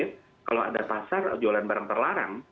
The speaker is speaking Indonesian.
ada pasar gitu ya kalau ada pasar jualan barang terlarang